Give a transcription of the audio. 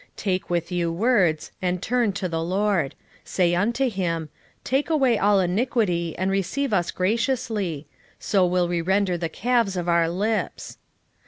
14:2 Take with you words, and turn to the LORD: say unto him, Take away all iniquity, and receive us graciously: so will we render the calves of our lips.